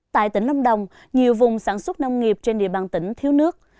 tại tỉnh lâm đồng nhiều vùng sản xuất nông nghiệp trên địa bàn tỉnh thiếu nước